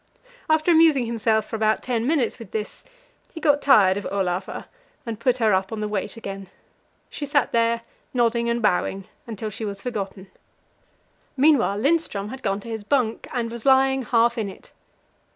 After amusing himself for about ten minutes with this, he got tired of Olava, and put her up on the weight again. She sat there nodding and bowing until she was forgotten. Meanwhile Lindström had gone to his bunk, and was lying half in it.